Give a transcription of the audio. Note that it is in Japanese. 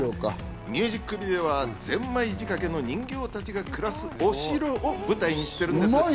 ミュージックビデオはゼンマイじかけの人形たちが暮らす、お城を舞台にしているんです。